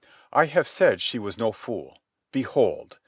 I have said she was no fool. Behold!